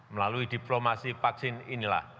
melalui diplomasi pak jokowi